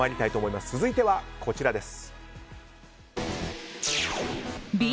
続いてはこちらです。